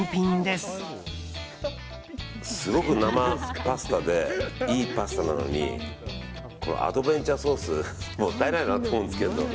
すごく生パスタでいいパスタなのにこのアドベンチャーソースもったいなと思うんですけど。